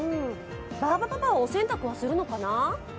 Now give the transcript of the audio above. バーバパパ、お洗濯はするのかな？